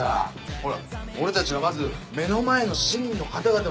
ほら俺たちはまず目の前の市民の方々のために。